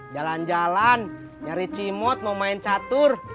jalan jalan nyari cimot mau main catur